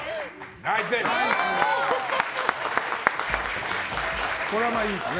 ナイスです。